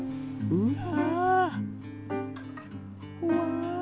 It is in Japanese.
うわ。